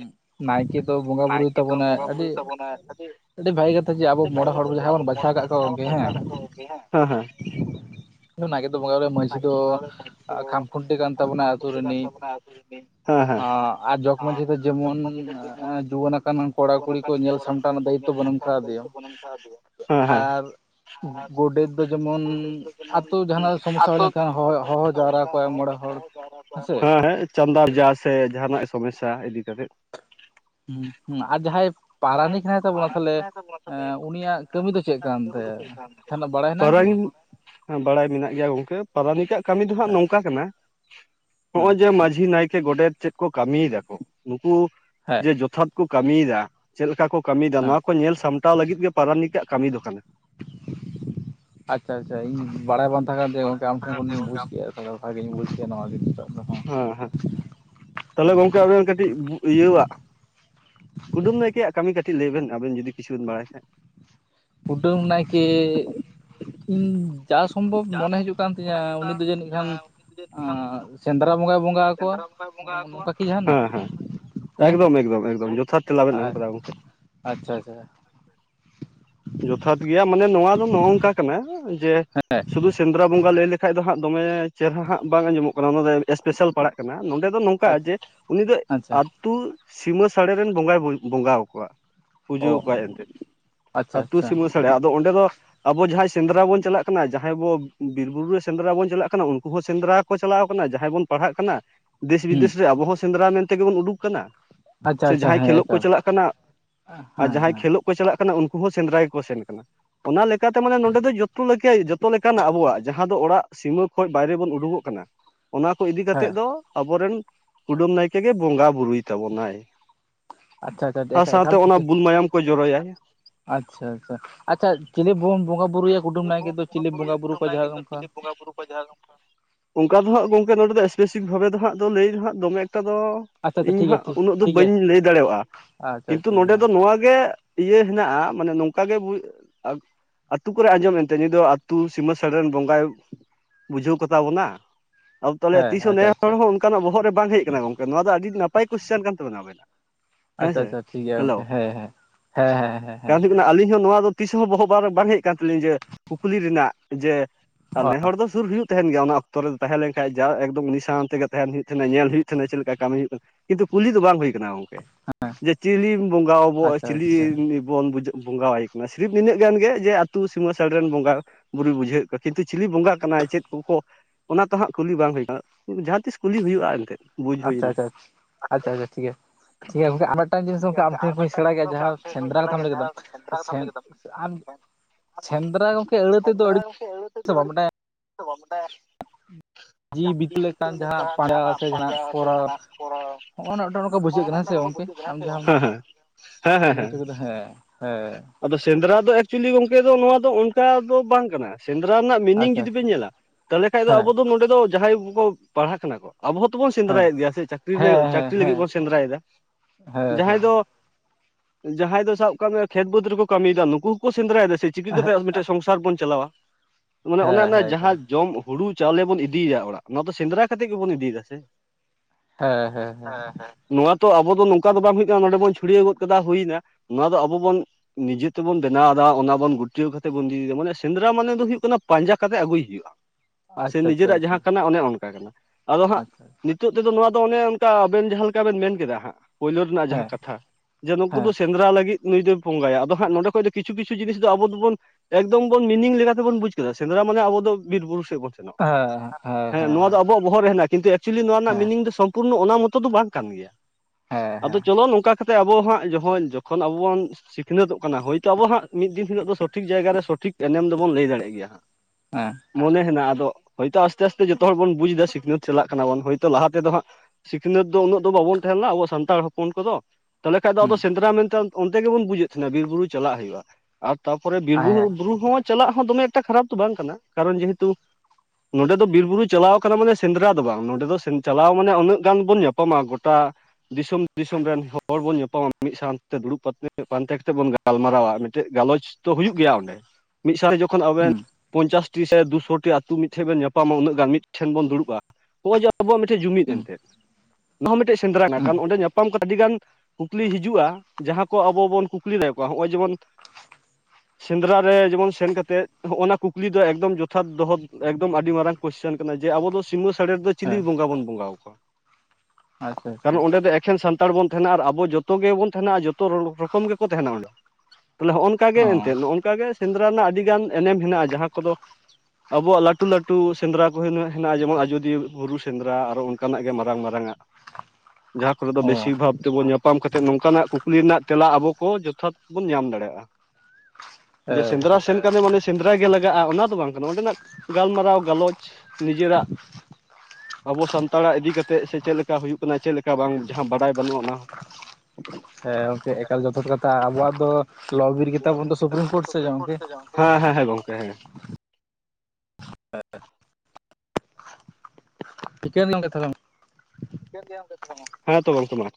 ᱱᱟᱭᱠᱮ ᱫᱚ ᱵᱚᱸᱜᱟ ᱵᱩᱨᱩᱭ ᱛᱟᱵᱚᱱᱟᱭ ᱟᱹᱰᱤ ᱛᱟᱵᱚᱱᱟᱭ ᱠᱷᱟᱴᱤ ᱟᱹᱰᱤ ᱵᱷᱟᱹᱜᱤ ᱠᱟᱛᱷᱟ ᱡᱮ ᱟᱵᱚ ᱢᱚᱬᱮ ᱦᱚᱲ ᱡᱟᱦᱟᱸᱭ ᱵᱚᱱ ᱵᱟᱪᱷᱟᱣ ᱠᱟᱜ ᱠᱚᱣᱟ ᱜᱚᱝᱠᱮ ᱦᱮᱸ ᱦᱮᱸ ᱦᱮᱸ ᱱᱟᱜᱮ ᱫᱚ ᱵᱚᱸᱜᱟ ᱢᱟᱹᱡᱷᱤ ᱫᱚ ᱠᱷᱟᱢ ᱠᱷᱩᱱᱴᱤ ᱠᱟᱱ ᱛᱟᱵᱚᱱᱟᱭ ᱟᱹᱛᱳ ᱨᱤᱱᱤᱡ ᱦᱮᱸ ᱦᱮᱸ ᱟᱨ ᱡᱚᱠ ᱡᱮᱢᱚᱱ ᱢᱟᱺᱡᱷᱤ ᱫᱚ ᱡᱮᱢᱚᱱ ᱡᱩᱣᱟᱱ ᱟᱠᱟᱱ ᱠᱚᱲᱟ ᱠᱩᱲᱤ ᱠᱚ ᱧᱮᱞ ᱥᱟᱢᱴᱟᱣ ᱨᱮᱱᱟᱜ ᱫᱟᱭᱤᱛᱚ ᱵᱚᱱ ᱮᱢᱠᱟᱣ ᱟᱠᱟᱫᱮᱭᱟ ᱦᱮᱸ ᱟᱨ ᱜᱚᱰᱮᱛ ᱫᱚ ᱡᱮᱢᱚᱱ ᱟᱹᱛᱳ ᱡᱟᱦᱟᱸᱱᱟᱜ ᱥᱚᱢᱚᱥᱟ ᱦᱩᱭ ᱞᱮᱱᱠᱷᱟᱱ ᱦᱚᱭ ᱥᱚᱢᱚᱥᱟ ᱦᱩᱭ ᱞᱮᱱᱠᱷᱟᱱ ᱦᱚᱦᱚ ᱡᱟᱨᱣᱟ ᱠᱚᱣᱟ ᱦᱮᱸ ᱦᱮᱸ ᱪᱟᱸᱫᱟ ᱡᱟ ᱥᱮ ᱡᱟᱦᱟᱱᱟᱜ ᱥᱚᱢᱚᱥᱥᱟ ᱤᱫᱤ ᱠᱟᱛᱮᱫ ᱦᱩᱸ ᱟᱨ ᱡᱟᱦᱟᱸᱭ ᱯᱟᱨᱟᱱᱤᱠ ᱦᱮᱱᱟᱭ ᱛᱟᱵᱚᱱᱟ ᱛᱟᱦᱞᱮ ᱩᱱᱤᱭᱟᱜ ᱠᱟᱹᱢᱤ ᱫᱚ ᱪᱮᱫ ᱠᱟᱱ ᱛᱟᱭᱟ ᱡᱟᱦᱟᱱᱟᱜ ᱵᱟᱲᱟᱭ ᱦᱮᱱᱟᱜᱼᱟ ᱠᱤ ᱦᱮᱸ ᱵᱟᱲᱟᱭ ᱢᱮᱱᱟᱜ ᱜᱮᱭᱟ ᱜᱚᱝᱠᱮ ᱯᱟᱨᱟᱱᱤᱠᱟᱜ ᱠᱟᱹᱢᱤ ᱫᱚ ᱦᱟᱸᱜ ᱦᱮᱸ ᱱᱚᱝᱠᱟ ᱠᱟᱱᱟ ᱦᱮᱸ ᱦᱚᱜᱼᱚᱭ ᱡᱮ ᱢᱟᱺᱡᱷᱤ ᱱᱟᱭᱠᱮ ᱜᱚᱰᱮᱛ ᱪᱮᱫ ᱠᱚ ᱠᱟᱹᱢᱤᱭ ᱫᱟᱠᱚ ᱱᱩᱠᱩ ᱦᱮᱸ ᱡᱮ ᱡᱚᱛᱷᱟᱛ ᱠᱚ ᱠᱟᱹᱢᱤᱭ ᱮᱫᱟ ᱪᱮᱫ ᱞᱮᱠᱟ ᱠᱚ ᱠᱟᱹᱢᱤᱭ ᱮᱫᱟ ᱦᱮᱸ ᱱᱚᱣᱟ ᱠᱚ ᱧᱮᱞ ᱥᱟᱢᱴᱟᱣ ᱞᱟᱹᱜᱤᱫ ᱜᱮ ᱯᱟᱨᱟᱱᱤᱠᱟᱜ ᱠᱟᱹᱢᱤ ᱫᱚ ᱠᱟᱱᱟ ᱟᱪᱪᱷᱟ ᱟᱪᱪᱷᱟ ᱤᱧ ᱵᱟᱲᱟᱭ ᱵᱟᱝ ᱛᱟᱦᱮᱸ ᱠᱟᱱ ᱛᱤᱧᱟᱹ ᱜᱚᱝᱠᱮ ᱟᱢ ᱴᱷᱮᱱ ᱠᱷᱚᱱᱤᱧ ᱵᱩᱡ ᱠᱮᱫᱼᱟ ᱛᱷᱚᱲᱟ ᱵᱷᱟᱜᱤᱧ ᱵᱩᱡᱽ ᱠᱮᱫᱼᱟ ᱱᱚᱣᱟ ᱜᱮ ᱱᱤᱛᱚᱜ ᱨᱮᱦᱚᱸ ᱦᱮᱸ ᱦᱮᱸ ᱛᱟᱦᱚᱞᱮ ᱜᱚᱝᱠᱮ ᱟᱵᱮᱱ ᱠᱟᱹᱴᱤᱡ ᱤᱭᱟᱹᱣᱟᱜ ᱠᱩᱴᱟᱹᱢ ᱱᱟᱭᱠᱮ ᱟᱜ ᱠᱟᱹᱴᱤᱡ ᱞᱟᱹᱭ ᱵᱤᱱ ᱟᱵᱮᱱ ᱡᱚᱫᱤ ᱠᱤᱪᱷᱩ ᱵᱤᱱ ᱵᱟᱲᱟᱭ ᱠᱷᱟᱱ ᱠᱩᱲᱟ. ᱢ ᱱᱟᱭᱠᱮ ᱩᱢ ᱡᱟ ᱥᱚᱢᱵᱷᱚᱵ ᱢᱚᱱᱮ ᱦᱤᱡᱩᱜ ᱠᱟᱱ ᱛᱤᱧᱟ ᱩᱱᱤᱫᱚ ᱡᱟᱱᱤᱡ ᱠᱷᱟᱱ ᱟ. ᱥᱮᱸᱫᱽᱨᱟ ᱵᱚᱸᱜᱟᱭ ᱵᱚᱸᱜᱟ ᱟᱠᱚᱣᱟ ᱵᱚᱸᱜᱟᱭ ᱵᱚᱸᱜᱟ ᱟᱠᱚᱣᱟ ᱱᱚᱝᱠᱟ ᱠᱤ ᱡᱟᱦᱟᱱᱟᱜ ᱦᱮᱸ ᱦᱮᱸ ᱦᱮᱸ ᱮᱠᱫᱚᱢ ᱮᱠᱫᱚᱢ ᱮᱠᱫᱚᱢ ᱡᱚᱛᱷᱟᱛ ᱛᱮᱞᱟᱵᱮᱱ ᱮᱢ ᱠᱟᱫᱟ ᱜᱚᱝᱠᱮ ᱟᱪᱪᱷᱟ ᱟᱪᱪᱷᱟ ᱡᱚᱛᱷᱟᱛ ᱜᱮᱭᱟ ᱢᱟᱱᱮ ᱱᱚᱣᱟ ᱫᱚ ᱱᱚᱝᱠᱟ ᱠᱟᱱᱟ ᱡᱮ ᱦᱮᱸ ᱥᱩᱫᱩ ᱥᱮᱸᱫᱽᱨᱟ ᱵᱚᱸᱜᱟ ᱞᱟᱹᱭ ᱞᱮᱠᱷᱟᱡ ᱫᱚ ᱦᱟᱸᱜ ᱫᱚᱢᱮ ᱪᱮᱦᱨᱟ ᱦᱟᱸᱜ ᱵᱟᱝ ᱟᱸᱡᱚᱢᱚᱜ ᱠᱟᱱᱟ ᱚᱱᱟ ᱫᱚ ᱮᱥᱯᱮᱥᱟᱞ ᱯᱟᱲᱟᱜ ᱠᱟᱱᱟ ᱱᱚᱸᱰᱮ ᱫᱚᱝᱠᱟ ᱚᱱᱠᱟ ᱡᱮ ᱩᱱᱤ ᱫᱚ ᱟᱪᱪᱷᱟ ᱟᱛᱳ ᱥᱤᱢᱟᱹ ᱥᱟᱹᱲᱮ ᱨᱮᱱ ᱵᱚᱸᱜᱟᱭ ᱵᱚᱸᱜᱟ ᱟᱠᱚᱣᱟ ᱚ ᱯᱩᱡᱟᱹᱣ ᱠᱚᱣᱟᱭ ᱮᱱᱛᱮᱫ ᱟᱪᱪᱷᱟ ᱟᱹᱛᱩ ᱟᱪᱪᱷᱟ ᱥᱤᱢᱟᱹ ᱥᱟᱲᱟ ᱟᱫᱚ ᱚᱸᱰᱮ ᱫᱚ ᱟᱵᱚ ᱡᱟᱦᱟᱭ ᱥᱮᱸᱫᱽᱨᱟ ᱵᱚᱱ ᱪᱟᱞᱟᱜ ᱠᱟᱱᱟ ᱡᱟᱦᱟᱸᱭ ᱵᱚ ᱵᱤᱨ ᱵᱩᱨᱩ ᱨᱮ ᱥᱮᱸᱫᱽᱨᱟ ᱵᱚᱱ ᱪᱟᱞᱟ ᱠᱟᱱᱟ ᱩᱱᱠᱩ ᱦᱚ ᱥᱮᱸᱫᱽᱨᱟ ᱠᱚ ᱪᱟᱞᱟᱣ ᱠᱟᱱᱟ ᱡᱟᱦᱟᱭ ᱵᱚᱱ ᱯᱟᱲᱦᱟᱜ ᱠᱟᱱᱟ ᱫᱮᱥ ᱦᱩᱸ ᱵᱤᱫᱮᱥ ᱨᱮ ᱟᱵᱚ ᱦᱚ ᱥᱮᱸᱫᱽᱨᱟ ᱢᱮᱱ ᱛᱮᱜᱮᱵᱚᱱ ᱩᱰᱩᱠ ᱠᱟᱱᱟ ᱟᱪᱪᱷᱟ ᱥᱮ ᱟᱪᱪᱷᱟ ᱡᱟᱦᱟᱭ ᱦᱮᱸ ᱠᱷᱮᱞᱳᱜ ᱠᱚ ᱮᱠᱟᱞ ᱪᱟᱞᱟᱜ ᱠᱟᱱᱟ ᱦᱮᱸ ᱟᱨ ᱡᱟᱦᱟᱸᱭ ᱦᱮᱸ ᱠᱷᱮᱞᱳᱜ ᱪᱟᱞᱟᱜ ᱠᱟᱱᱟ ᱩᱱᱠᱩ ᱦᱚᱸ ᱥᱮᱸᱫᱽᱨᱟ ᱜᱮᱠᱚ ᱥᱮᱱ ᱠᱟᱱᱟ ᱚᱱᱟ ᱞᱮᱠᱟᱛᱮ ᱢᱟᱱᱮ ᱱᱚᱰᱮ ᱫᱚ ᱡᱚᱛᱚ ᱠᱮ ᱡᱚᱛᱚ ᱞᱮᱠᱟᱱᱟᱜ ᱟᱵᱚᱣᱟᱜ ᱡᱟᱦᱟᱸ ᱫᱚ ᱚᱲᱟᱜ ᱥᱤᱢᱟᱹ ᱠᱷᱚᱱ ᱵᱟᱭᱨᱮ ᱵᱚᱱ ᱩᱰᱩᱠᱚᱜ ᱠᱟᱱᱟ ᱚᱱᱟ ᱠᱚ ᱤᱫᱤ ᱠᱟᱛᱮᱫ ᱦᱮᱸ ᱫᱚ ᱟᱵᱚᱨᱮᱱ ᱠᱩᱰᱟᱹᱢ ᱱᱟᱭᱠᱮ ᱜᱮ ᱵᱚᱸᱜᱟᱼ ᱵᱩᱨᱩᱭ ᱛᱟᱵᱚᱱᱟᱭ ᱟᱪᱪᱷᱟ ᱟᱨ ᱟᱪᱪᱷᱟ ᱥᱟᱶᱛᱮ ᱮᱠᱟᱞ ᱚᱱᱟ ᱴᱷᱤᱠᱟᱹ ᱵᱩᱞ ᱢᱟᱭᱟᱢ ᱠᱚᱭ ᱡᱚᱨᱚᱭᱟᱭ ᱟᱪᱪᱷᱟ ᱟᱪᱪᱷᱟ ᱟᱪᱪᱷᱟ ᱪᱤᱞᱤ ᱵᱚᱱ ᱵᱚᱸᱜᱟ ᱵᱩᱨᱩᱭᱟ ᱠᱩᱰᱩᱢ ᱱᱟᱭᱠᱮ ᱫᱚ ᱪᱤᱞᱤ ᱵᱚᱸᱜᱟ ᱵᱩᱨᱩ ᱠᱚᱭ ᱡᱟᱦᱟ ᱚᱱᱠᱟ ᱚᱱᱠᱟ ᱫᱚ ᱦᱟᱜ ᱜᱚᱝᱠᱮ ᱱᱚᱰᱮ ᱫᱚ ᱮᱥᱯᱮᱥᱤᱠ ᱵᱷᱟᱵᱮ ᱫᱚ ᱦᱟᱜ ᱫᱚ ᱞᱟᱹᱭ ᱫᱚ ᱦᱟᱜ ᱫᱚᱢᱮ ᱮᱠᱴᱟ ᱫᱚ ᱟᱪᱪᱷᱟ ᱟᱪᱪᱷᱟ ᱤᱧ ᱴᱷᱤᱠ ᱜᱮᱭᱟ ᱦᱟᱜ ᱴᱷᱤᱠ ᱩᱱᱟᱹᱜ ᱫᱚ ᱴᱷᱤᱠ ᱜᱮᱭᱟ ᱵᱟᱹᱧ ᱞᱟᱹᱭ ᱫᱟᱲᱮᱣᱟᱜ-ᱟ ᱟᱪᱪᱷᱟ ᱠᱤᱱᱛᱩ ᱟᱪᱪᱷᱟ ᱱᱚᱰᱮ ᱦᱮᱸ ᱫᱚ ᱱᱚᱣᱟ ᱜᱮ ᱤᱭᱟᱹ ᱦᱮᱱᱟᱜ-ᱟ ᱢᱟᱱᱮ ᱱᱚᱝᱠᱟ ᱜᱮ ᱵᱩ.. ᱠᱚᱨᱮ ᱟᱸᱡᱚᱢ ᱮᱱᱛᱮ ᱧᱤᱫᱟ ᱟᱹᱛᱩᱳ ᱥᱤᱢᱟᱹ ᱥᱟᱹᱲ ᱨᱮᱱ ᱵᱚᱸᱜᱟᱭ ᱵᱩᱡᱷᱟᱹᱣ ᱠᱟᱛᱟ ᱵᱚᱱᱟ ᱟᱫᱚ ᱛᱟᱦᱚᱞᱮ ᱦᱮᱸ ᱛᱤᱥᱦᱚ ᱟᱪᱪᱷᱟ ᱱᱮ ᱟᱪᱪᱷᱟ ᱦᱚᱲ ᱦᱚ ᱚᱱᱠᱟᱱᱟᱜ ᱵᱚᱦᱚᱜ ᱨᱮ ᱵᱟᱝ ᱦᱮᱡ ᱟᱠᱟᱱᱟ ᱜᱚᱝᱠᱮ ᱱᱚᱣᱟ ᱫᱚ ᱟᱹᱰᱤ ᱱᱟᱯᱟᱭ ᱠᱚᱳᱥᱪᱟᱱ ᱠᱟᱱ ᱛᱟᱵᱮᱱᱟ ᱟᱵᱮᱱᱟ ᱟᱵᱮᱱᱟᱜ ᱟᱪᱪᱷᱟ ᱦᱮᱥᱮ ᱟᱪᱪᱷᱟ ᱴᱷᱤᱠ ᱜᱮᱭᱟ ᱦᱮᱞᱳ ᱜᱚᱝᱠᱮ ᱦᱮᱸ ᱦᱮᱸ ᱦᱮᱸ ᱦᱮᱸ ᱦᱮᱸ ᱦᱮᱸ ᱠᱟᱨᱚᱱ ᱦᱩᱭᱩᱜ ᱠᱟᱱᱟ ᱟᱹᱞᱤᱧ ᱦᱚ ᱱᱚᱣᱟ ᱫᱚ ᱛᱤᱥ ᱦᱚ ᱵᱚᱦᱚᱜ ᱵᱟᱨ ᱵᱟᱝ ᱦᱮᱡᱠᱟᱱ ᱛᱟᱞᱤᱧ ᱡᱮ ᱠᱩᱠᱞᱤ ᱨᱮᱱᱟᱜ ᱡᱮ ᱟᱞᱮ ᱦᱚᱲ ᱫᱚ ᱥᱩᱨ ᱦᱩᱭᱩᱜ ᱛᱟᱦᱮᱱ ᱜᱮᱭᱟ ᱚᱱᱟ ᱚᱠᱛᱚ ᱨᱮᱫᱚ ᱛᱟᱦᱮ ᱞᱮᱱ ᱠᱷᱟᱡ ᱡᱟ ᱮᱠᱫᱚᱢ ᱩᱱᱤ ᱥᱟᱶᱛᱮᱜᱮ ᱛᱟᱦᱮᱱ ᱦᱩᱭᱩᱜ ᱛᱟᱦᱮᱸᱱᱟ ᱧᱮᱞ ᱦᱩᱭᱩᱜ ᱛᱟᱦᱮᱱᱟ ᱪᱮᱫ ᱞᱮᱠᱟ ᱠᱟᱹᱢᱤ ᱦᱩᱭᱩᱜ ᱠᱟᱱ ᱠᱤᱱᱛᱩ ᱠᱩᱞᱤ ᱫᱚ ᱵᱟᱝ ᱦᱩᱭ ᱠᱟᱱᱟ ᱜᱚᱝᱠᱮ ᱡᱮ ᱪᱤᱞᱤ ᱵᱚᱸᱜᱟᱵᱚ ᱟᱪᱪᱷᱟ ᱟᱪᱪᱷᱟ ᱪᱤᱞᱤ ᱵᱚᱱ ᱵᱩᱡᱟ ᱵᱚᱸᱜᱟᱣᱟᱭ ᱠᱟᱱᱟ ᱥᱤᱨᱤᱯ ᱱᱤᱱᱟᱹ ᱜᱟᱱ ᱜᱮ ᱡᱮ ᱟᱹᱛᱩ ᱥᱤᱢᱟᱹ ᱥᱟᱹᱲᱮ ᱨᱮᱱ ᱵᱚᱸᱜᱟ ᱵᱩᱨᱩ ᱵᱩᱡᱷᱟᱹᱣᱮᱫ ᱠᱚᱣᱟ ᱠᱤᱱᱛᱩ ᱪᱤᱞᱤ ᱵᱚᱸᱜᱟ ᱠᱟᱱᱟᱭ ᱪᱮᱫ ᱠᱚᱠᱚ ᱚᱱᱟ ᱛᱚ ᱦᱟᱜ ᱠᱩᱞᱤ ᱵᱟᱝ ᱦᱩᱭ ᱠᱟᱱᱟ ᱡᱟᱦᱟ ᱛᱤᱥ ᱠᱩᱞᱤ ᱦᱩᱭᱩᱜ-ᱟ ᱮᱱᱛᱮᱫ ᱵᱩᱡ ᱟᱪᱪᱷᱟ ᱦᱩᱭᱱᱟ ᱟᱪᱪᱷᱟ ᱟᱪᱷᱟ ᱟᱪᱪᱷᱟ ᱴᱷᱤᱠᱜᱮᱭᱟ ᱴᱷᱤᱠᱭᱟ ᱜᱚᱝᱠᱮ ᱟᱢᱟᱜ ᱢᱤᱫᱴᱟᱝ ᱡᱤᱱᱤᱥᱠ ᱚᱱᱠᱟ ᱟᱢ ᱴᱷᱮᱱ ᱠᱷᱚᱱᱤᱧ ᱥᱮᱬᱟ ᱠᱮ-ᱟ ᱡᱟᱦᱟ ᱥᱮᱸᱫᱽᱨᱟ ᱠᱟᱛᱢ ᱞᱟᱹᱭ ᱠᱮᱫᱟᱢ ᱟᱢ ᱥᱮᱸᱫᱽᱨᱟ ᱜᱚᱢᱠᱮ ᱟᱹᱲᱟᱹ ᱛᱮᱫᱚ ᱟᱹᱰᱤ...... ᱡᱤ ᱵᱤᱛ ᱞᱮᱠᱟᱱ ᱡᱟᱦᱟᱱᱟ ᱯᱟᱸᱡᱟ ᱥᱮ ᱡᱟᱦᱱᱟᱜ ᱠᱚᱨᱚᱣ ᱦᱚᱜ-ᱚᱱᱟᱴᱟ ᱱᱚᱝᱠᱟ ᱵᱩᱡᱷᱟᱹᱜ ᱠᱟᱱᱟ ᱦᱮᱸ ᱥᱮ ᱜᱚᱝᱠᱮ ᱡᱟᱦᱟᱢ ᱦᱮᱸ ᱦᱮᱸ ᱦᱮᱸ ᱦᱮᱸ ᱦᱮᱸ ᱞᱟᱹᱭᱪᱚ ᱠᱮᱫᱟ ᱦᱮ ᱦᱮ ᱟᱫᱚ ᱥᱮᱸᱫᱽᱨᱟ ᱫᱚ ᱮᱠᱪᱩᱭᱮᱞᱤ ᱜᱚᱝᱠᱮ ᱫᱚ ᱱᱚᱣᱟ ᱫᱚ ᱚᱱᱠᱟ ᱫᱚ ᱵᱟᱝ ᱠᱟᱱᱟ ᱥᱮᱸᱫᱽᱨᱟ ᱨᱮᱱᱟᱜ ᱢᱤᱱᱤᱝ ᱟᱪᱪᱷᱟ ᱡᱩᱫᱤ ᱵᱮᱱ ᱧᱮᱞᱟ ᱛᱟᱦᱚᱞᱮ ᱠᱷᱟᱱ ᱫᱚ ᱦᱮᱸ ᱟᱵᱚ ᱫᱚ ᱱᱚᱰᱮ ᱫᱚ ᱡᱟᱦᱟᱸᱭ ᱠᱚᱠᱚ ᱯᱟᱲᱦᱟᱜ ᱠᱟᱱᱟ ᱠᱚ ᱟᱵᱚ ᱦᱚᱛᱚ ᱵᱚᱱ ᱦᱮᱸ ᱦᱮᱸ ᱥᱮᱸᱫᱽᱨᱟᱭᱮᱫ ᱜᱮᱭᱟ ᱥᱮ ᱪᱟᱹᱠᱨᱤ ᱞᱟᱜ ᱦᱮᱸ ᱪᱟᱹᱠᱨᱤ ᱦᱮᱸ ᱦᱮᱸ ᱞᱟᱹᱜᱤᱫ ᱦᱮᱸ ᱵᱚᱱ ᱥᱮᱸᱫᱽᱨᱟᱭᱮᱫᱟ ᱦᱮᱸ ᱡᱟᱦᱟᱸᱭ ᱫᱚ ᱡᱟᱦᱟᱸᱭ ᱫᱚ ᱥᱟᱵ ᱠᱟᱜ ᱢᱮ ᱠᱷᱮᱛ ᱵᱟᱹᱫᱽ ᱨᱮᱠᱚ ᱠᱟᱹᱢᱤᱭᱮᱫᱟ ᱱᱩᱠᱩ ᱦᱚᱸᱠᱚ ᱥᱮᱸᱫᱽᱨᱟᱭᱮᱫᱟ ᱥᱮ ᱪᱤᱠᱟᱹ ᱠᱟᱛᱮ ᱢᱤᱫᱴᱮᱱ ᱥᱚᱝᱥᱟᱨ ᱵᱚᱱ ᱪᱟᱞᱟᱣᱟ ᱢᱟᱱᱮ ᱚᱱᱮ ᱚᱱᱟ ᱦᱮᱸ ᱡᱟᱦᱟ ᱮᱠᱟᱞ ᱡᱚᱢ ᱦᱩᱲᱩ ᱪᱟᱣᱞᱮ ᱵᱚᱱ ᱤᱫᱤᱭᱟ ᱚᱲᱟᱜ ᱱᱚᱭᱟ ᱫᱚ ᱥᱮᱸᱫᱽᱨᱟ ᱠᱟᱛᱮᱫ ᱜᱮᱵᱚᱱ ᱤᱫᱤᱭᱮᱫᱟ ᱥᱮ ᱦᱮᱸ ᱦᱮᱸ ᱦᱮᱸ ᱦᱮ ᱦᱮ ᱱᱚᱣᱟ ᱛᱚ ᱟᱵᱚ ᱫᱚ ᱱᱚᱝᱠᱟ ᱱᱚᱠᱟ ᱫᱚ ᱵᱟᱝ ᱦᱩᱭᱩᱜ ᱠᱟᱱᱟ ᱱᱚᱰᱮ ᱵᱚᱱ ᱪᱷᱩᱲᱭᱣ ᱜᱚᱫ ᱠᱮᱫᱟ ᱦᱩᱭᱮᱱᱟ ᱱᱚᱣᱟ ᱫᱚ ᱟᱵᱚ ᱵᱚᱱ ᱱᱤᱡᱮ ᱛᱮᱵᱚᱱ ᱵᱮᱱᱟᱣ ᱫᱟ ᱚᱱᱟ ᱵᱚᱱ ᱜᱩᱴᱭᱟᱹᱣ ᱠᱟᱛᱮᱫ ᱵᱚᱱ ᱤᱫᱤᱭᱮᱫᱟ ᱢᱟᱱᱮ ᱥᱮᱸᱫᱽᱨᱟ ᱢᱟᱱᱮ ᱫᱚ ᱦᱩᱭᱩᱜ ᱠᱟᱱᱟ ᱯᱟᱸᱟ ᱠᱟᱛᱮᱫ ᱟᱹᱜᱩᱭ ᱦᱩᱭᱩᱜ-ᱟ ᱥᱮ ᱟᱪᱪᱷᱟ ᱟᱪᱪᱷᱟ ᱱᱤᱡᱮᱨᱟᱜ ᱡᱟᱦᱟᱸ ᱟᱪᱪᱷᱟ ᱠᱟᱱᱟ ᱚᱱᱮ ᱚᱱᱠᱟ ᱠᱟᱱᱟ ᱟᱫᱚ ᱦᱟᱸᱜ ᱟᱪᱪᱷᱟ ᱱᱤᱛᱚᱜ ᱛᱮᱫᱚ ᱱᱚᱣᱟ ᱫᱚ ᱚᱱᱮ ᱚᱱᱠᱟ ᱟᱵᱮᱱ ᱡᱟᱦᱟ ᱞᱮᱠᱟ ᱵᱮᱱ ᱢᱮᱱ ᱠᱮᱫᱟ ᱦᱟᱜ ᱯᱳᱭᱞᱳ ᱨᱮᱱᱟᱜ ᱡᱟᱦᱟ ᱦᱮᱸ ᱦᱮᱸ ᱠᱟᱛᱷᱟ ᱡᱮ ᱱᱩᱠᱩ ᱦᱮᱸ ᱦᱮᱸ ᱫᱚ ᱥᱮᱸᱫᱽᱨᱟ ᱞᱟᱜᱤᱫ ᱱᱩᱭ ᱫᱚᱭ ᱵᱚᱸᱜᱟᱭ ᱟᱫᱚᱦᱟᱜ ᱱᱚᱵᱮ ᱠᱷᱚᱡ ᱫᱚ ᱠᱤᱪᱷᱩ ᱠᱤᱪᱷᱩ ᱡᱤᱱᱤᱥ ᱫᱚ ᱟᱵᱚ ᱫᱚᱵᱚᱱ ᱮᱠᱫᱚᱢ ᱵᱚᱱ ᱢᱤᱱᱤᱝ ᱞᱮᱠᱟ ᱛᱮᱵᱚᱱ ᱵᱩᱡ ᱠᱮᱫᱟ ᱥᱮᱸᱫᱽᱨᱟ ᱢᱟᱱᱮ ᱟᱵᱚ ᱫᱚ ᱵᱤᱨ ᱵᱩᱨᱩ ᱥᱮᱫ ᱵᱚᱱ ᱦᱮᱸ ᱱᱚᱣᱟ ᱫᱚ ᱟᱵᱚᱣᱟᱜ ᱵᱚᱦᱚᱜ ᱨᱮ ᱦᱮᱱᱟᱜᱼᱟ ᱠᱤᱱᱛᱩ ᱮᱠᱪᱩᱭᱮᱞᱤ ᱱᱚᱣᱟ ᱨᱮᱱᱟᱜ ᱢᱤᱱᱤᱝ ᱫᱚ ᱥᱚᱢᱯᱩᱨᱱ ᱚᱱᱟ ᱢᱚᱛᱚ ᱫᱚ ᱵᱟᱝ ᱠᱟᱱ ᱜᱮᱭᱟ ᱦᱮᱸ ᱦᱮᱸ ᱟᱫᱚ ᱦᱮᱸ ᱪᱚᱞᱚ ᱱᱚᱝᱠᱟ ᱠᱟᱛᱮᱮᱫ ᱟᱵᱚ ᱦᱟᱸᱜ ᱡ ᱡᱚᱠᱷᱚᱱ ᱟᱵᱚ ᱵᱚᱱ ᱥᱤᱠᱷᱱᱟᱹᱛᱚᱜ ᱠᱟᱱᱟ ᱦᱳᱭᱛᱳ ᱟᱵᱚ ᱦᱟᱸ ᱢᱤᱫ ᱫᱤᱱ ᱦᱤᱞᱳᱜ ᱫᱚ ᱥᱚᱴᱷᱤᱠ ᱡᱟᱭᱜᱟ ᱨᱮ ᱥᱚᱴᱷᱤᱠ ᱮᱱᱢ ᱫᱚᱵᱚᱱ ᱞᱟᱹᱭ ᱫᱟᱲᱮᱭᱟᱜ ᱜᱮᱭᱟᱟᱸᱟᱜ ᱦᱮᱸ ᱢᱚᱱᱮ ᱦᱮᱱᱟᱜ ᱟᱫᱚ ᱦᱳᱭᱛᱳ ᱟᱥᱛᱮ ᱟᱥᱛᱮ ᱡᱚᱛᱚ ᱦᱚᱲ ᱵᱚᱱ ᱵᱩᱡ ᱮᱫᱟ ᱥᱤᱠᱷᱱᱟᱹᱛ ᱪᱟᱞᱟᱜ ᱠᱟᱱᱟ ᱵᱚᱱ ᱦᱭᱛᱳ ᱞᱟᱦᱟ ᱛᱚ ᱦᱟᱸᱟᱜ ᱥᱤᱠᱷᱱᱟᱹᱛ ᱫᱚ ᱩᱱᱟᱹᱜ ᱫᱚ ᱵᱟᱵᱚᱱ ᱛᱟᱦᱮᱱᱟ ᱟᱵᱚ ᱥᱟᱱᱛᱟᱲ ᱦᱚᱯᱚᱱ ᱠᱚᱫᱚ ᱛᱟᱦᱚᱞᱮ ᱠᱷᱟᱱ ᱫᱚ ᱦᱩᱸ ᱟᱫᱚ ᱥᱮᱸᱫᱽᱨᱟ ᱢᱮᱱᱛᱮ ᱚᱱᱛᱮ ᱜᱮᱵᱚᱱ ᱵᱩᱡᱮᱫ ᱛᱟᱦᱮᱱᱟ ᱵᱤᱨᱼᱵᱩᱨᱩ ᱪᱟᱞᱟᱜ ᱦᱩᱭᱩᱜᱼᱟ ᱟᱨ ᱛᱟᱨᱯᱚᱨᱮ ᱵᱤᱨ ᱵᱩ ᱦᱮᱸ ᱵᱩᱨᱩ ᱦᱚᱸ ᱪᱟᱞᱟᱜ ᱦᱚᱸ ᱫᱚᱢᱮ ᱮᱠᱴᱟ ᱠᱷᱟᱨᱟᱯ ᱫᱚ ᱵᱟᱝ ᱠᱟᱱᱟ ᱠᱟᱨᱚᱱ ᱡᱮᱦᱮᱛᱩ ᱱᱚᱸᱰᱮ ᱫᱚ ᱵᱤᱨ ᱵᱩᱨᱩ ᱪᱟᱞᱟᱣ ᱠᱟᱱᱟ ᱢᱟᱱᱮ ᱥᱮᱸᱫᱽᱨᱟ ᱫᱚ ᱵᱟᱝ ᱱᱚᱰᱮ ᱫᱚ ᱪᱟᱞᱟᱣ ᱢᱟᱱᱮ ᱩᱱᱟᱹᱜ ᱜᱟᱱ ᱵᱚᱱ ᱧᱟᱯᱟᱢᱟ ᱜᱚᱴᱟ ᱫᱤᱥᱚᱢ ᱫᱤᱥᱚᱢ ᱨᱮᱱ ᱦᱚᱲ ᱵᱚᱱ ᱧᱟᱯᱟᱢᱟ ᱢᱤᱫ ᱥᱟᱶᱛᱮ ᱫᱩᱲᱩᱵ ᱯᱟᱱᱛᱮ ᱠᱟᱛᱮᱜ ᱵᱚᱱ ᱜᱟᱞᱢᱟᱨᱟᱣᱟ ᱢᱤᱫᱴᱮᱡ ᱜᱟᱞᱚᱪ ᱛᱚ ᱦᱩᱭᱩᱜ ᱜᱮᱭᱟ ᱚᱸᱰᱮ ᱢᱤᱫ ᱥᱟ ᱡᱚᱠᱷᱚᱱ ᱟᱵᱮᱱ ᱦᱩᱸ ᱯᱚᱧᱪᱟᱥᱴᱤ ᱥᱮ ᱫᱩᱥᱚᱴᱤ ᱟᱛᱳ ᱢᱤᱫᱴᱷᱮᱱ ᱵᱮᱱ ᱧᱟᱯᱟᱢᱟ ᱩᱱᱟᱹᱜ ᱜᱟᱱ ᱢᱤᱫᱷᱮᱱ ᱵᱚᱱ ᱫᱩᱲᱩᱵ-ᱟ ᱟᱭᱡᱮ ᱟᱵᱚᱣᱟᱜ ᱢᱤᱫᱴᱮᱱ ᱡᱩᱢᱤᱫ ᱦᱩᱸ ᱮᱱᱛᱮᱫ ᱱᱚᱣᱟ ᱦᱚ ᱢᱤᱫᱴᱮᱡ ᱥᱮᱸᱫᱽᱨᱟ ᱨᱮᱱᱟᱜ ᱦᱩᱸ ᱠᱟᱱ ᱚᱸᱰᱮ ᱧᱟᱯᱟᱢ ᱧᱟᱯᱟᱢ ᱠᱟᱛᱮ ᱟᱰᱤ ᱜᱟᱱ ᱠᱩᱠᱞᱤ ᱦᱤᱡᱩᱜᱼᱟ ᱡᱟᱦᱟ ᱠᱚ ᱟᱵᱚ ᱵᱚᱱ ᱠᱩᱠᱞᱤ ᱞᱮ ᱠᱚᱣᱟ ᱱᱚᱜᱼᱚᱭ ᱡᱮᱢᱚᱱ [inaudible] ᱥᱮᱸᱫᱽᱨᱟ ᱨᱮ ᱡᱮᱢᱚᱱ ᱥᱮᱱ ᱠᱟᱛᱮᱫ ᱦᱚᱜᱼᱱᱟ ᱠᱩᱠᱞᱤ ᱫᱚ ᱮᱠᱫᱚᱢ ᱡᱚᱛᱷᱟᱛ ᱫᱚᱦᱚ ᱮᱠᱫᱚᱢ ᱟᱹᱰᱤ ᱢᱟᱨᱟᱝ ᱠᱚᱥᱪᱮᱱ ᱠᱟᱱᱟ ᱡᱮ ᱟᱵᱚ ᱫᱚ ᱥᱤᱢᱟᱹ ᱥᱟᱹᱲᱤ ᱨᱮᱫᱚ ᱦᱮᱸ ᱪᱤᱞᱤ ᱵᱚᱸᱜᱟ ᱵᱚᱱ ᱵᱚᱸᱜᱟ ᱟᱠᱚᱣᱟ ᱟᱪᱪᱷᱟ ᱟᱪᱪᱷᱟ ᱠᱟᱨᱚᱱ ᱚᱸᱰᱮ ᱫᱚ ᱴᱷᱮᱱ ᱥᱟᱱᱛᱟᱲ ᱵᱚᱱ ᱛᱟᱦᱮᱱᱟ ᱟᱨ ᱟᱵᱚ ᱡᱚᱛᱚ ᱜᱮᱵᱚᱱ ᱛᱟᱦᱮᱱᱟ ᱟᱨ ᱡᱚᱛᱚ ᱨᱚᱠᱚᱢ ᱜᱮᱠᱚ ᱛᱟᱦᱮᱱᱟ ᱚᱸᱰᱮ ᱛᱟᱦᱮ ᱦᱚᱜᱼ ᱚᱱᱠᱟᱜᱮ ᱚ ᱮᱱᱛᱮᱫ ᱱᱚᱜᱼᱚ ᱱᱚᱝᱠᱟ ᱜᱮ ᱥᱮᱸᱫᱽᱨᱟ ᱨᱮᱱᱟᱜ ᱟᱹᱰᱤ ᱜᱟᱱ ᱮᱱᱮᱢ ᱦᱮᱱᱟᱜᱼᱟ ᱡᱟᱦᱟᱸ ᱠᱚᱫᱚ ᱟᱵᱚᱣᱟᱜ ᱞᱟᱟᱹᱴᱩ ᱞᱟᱹᱴᱩ ᱥᱮᱸᱫᱽᱨᱟ ᱠᱚᱦ ᱦᱮᱱᱟᱜᱼᱟ ᱡᱮᱢᱚᱱ ᱟᱡᱚᱫᱤᱭᱟᱹ ᱵᱩᱨᱩ ᱥᱮᱸᱫᱽᱨᱟ ᱟᱨᱚ ᱚᱱᱠᱟᱱᱟᱜ ᱜᱮ ᱢᱟᱨᱟᱝ ᱢᱟᱨᱟᱝ ᱟᱜ ᱡᱟᱦᱟᱸ ᱠᱚᱨᱮ ᱫᱚ ᱚ ᱵᱮᱥᱤᱨ ᱵᱷᱟᱜᱽ ᱛᱮᱵᱚᱱ ᱧᱟᱯᱟᱢ ᱠᱟ ᱠᱟᱛᱮᱮᱫ ᱱᱚᱝᱠᱟᱱᱟᱜ ᱠᱩᱠᱞᱤ ᱨᱮᱱᱟᱜ ᱛᱮᱞᱟ ᱟᱵᱚ ᱠᱚ ᱡᱚᱛᱷᱟᱛ ᱵᱚᱱ ᱧᱟᱢ ᱫᱟᱲᱮᱭᱟᱜᱼᱟ ᱡᱮ ᱦᱮᱸ ᱥᱮᱸᱫᱽᱨᱟ ᱥᱮᱱ ᱢᱮ ᱥᱮᱸᱫᱽᱨᱟ ᱜᱮ ᱞᱟᱜᱟᱜᱼᱟ ᱚᱱᱟ ᱫᱚ ᱵᱟᱝ ᱠᱟᱱᱟ ᱚᱸᱰᱮᱱᱟᱜ ᱜᱟᱞᱢᱟᱨᱟᱣ ᱜᱟᱞᱚᱪ ᱱᱤᱡᱮᱨᱟᱜ ᱟᱵᱚ ᱥᱟᱱᱛᱟᱲᱟᱜ ᱤᱫᱤᱠᱟ ᱠᱟᱛᱮᱮᱫ ᱥᱮ ᱪᱮᱫᱞᱮᱠᱟ ᱦᱩᱭᱩᱜ ᱠᱟᱱᱟ ᱪᱮᱫᱞᱮᱠᱟ ᱵᱟᱝ ᱡᱟᱦᱟᱸ ᱵᱟᱰᱟᱭ ᱵᱟᱹᱱᱩᱜᱼᱟ ᱚᱱᱟ ᱦᱚᱸ ᱦᱮᱸ ᱜᱚᱢᱠᱮ ᱮᱠᱟᱞ ᱡᱚᱛᱚ ᱠᱟᱛᱷᱟ ᱟᱵᱚᱣᱟᱜ ᱫᱚ ᱞᱚᱵᱤᱨ ᱜᱮᱛᱟᱵᱚᱱ ᱥᱩᱯᱨᱤᱢ ᱠᱳᱨᱴ ᱥᱮ ᱡᱚᱢ ᱠ ᱦᱮᱸ ᱦᱮᱸ ᱦᱮᱸ ᱜᱚᱝᱠᱮ ᱦᱮᱸ ᱴᱷᱤᱠᱟᱹ ᱞᱟᱝ ᱠᱟᱛ ᱵᱟᱝ ᱦᱮᱸ ᱛᱚ ᱜᱚᱢᱠᱮ ᱢᱟ